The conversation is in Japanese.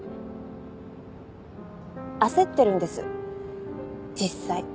焦ってるんです実際。